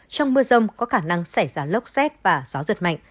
trong mưa rông có khả năng xảy ra lốc xét và gió giật mạnh